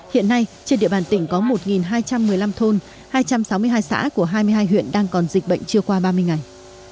hiện nay trên địa bàn tỉnh có một hai trăm một mươi năm thôn hai trăm sáu mươi hai xã của hai mươi hai huyện đang còn dịch bệnh chưa qua ba mươi ngày